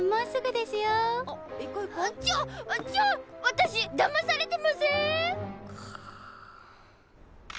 私だまされてません